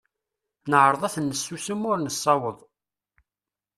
Neɛreḍ ad ten-nessusem, ur nessaweḍ.